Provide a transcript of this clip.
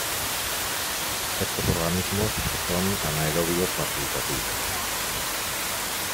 Estos organismos son anaerobios facultativos.